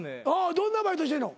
どんなバイトしてんの？